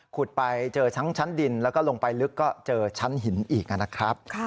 ขุดไปเจอทั้งชั้นดินแล้วก็ลงไปลึกก็เจอชั้นหินอีกนะครับ